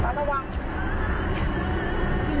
ตอนนี้ก็เปลี่ยนแบบนี้แหละ